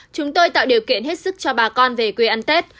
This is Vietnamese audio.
chúng tôi tạo điều kiện hết sức cho bà con về quê ăn tết